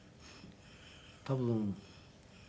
多分。